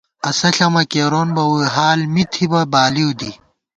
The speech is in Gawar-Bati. اسہ ݪَمہ کېرونبہ ووئی حال می تھِبہ بالِؤ دِی